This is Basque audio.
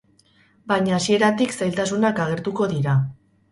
Baina hasieratik zailtasunak agertuko dira...